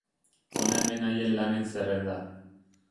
Hona hemen haien lanen zerrenda.